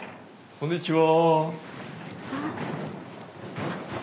こんにちは。